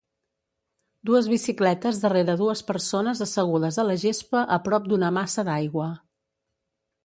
Dues bicicletes darrere dues persones assegudes a la gespa a prop d'una massa d'aigua.